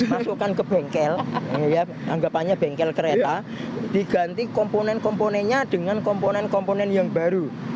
masukkan ke bengkel anggapannya bengkel kereta diganti komponen komponennya dengan komponen komponen yang baru